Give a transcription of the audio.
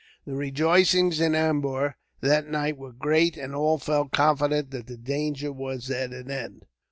The rejoicings in Ambur that night were great, and all felt confident that the danger was at an end.